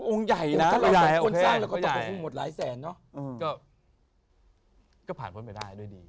อองใหญ่นะลายก็พ่านพ่นไปได้ด้วยดี